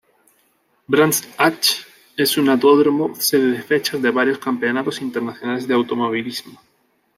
Brands Hatch es un autódromo sede de fechas de varios campeonatos internacionales de automovilismo.